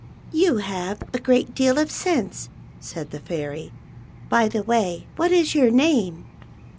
"You have a great deal of sense," said the Fairy. " B} the way, what is x our name